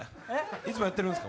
いつもやってるんですか？